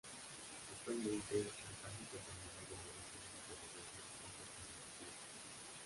Actualmente la casi totalidad de los regímenes de Gobierno son representativos.